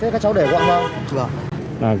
thế cháu để gọn bao